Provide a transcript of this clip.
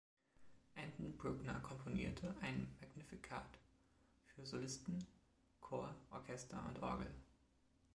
Anton Bruckner komponierte ein „Magnificat“ für Solisten, Chor, Orchester und Orgel.